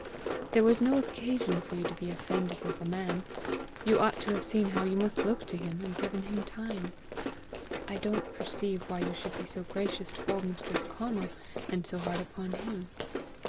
There was no occasion to be offended with the man. You ought to have seen how you must look to him, and given him time. I don't perceive why you should be so gracious to old mistress Conal, and so hard upon him.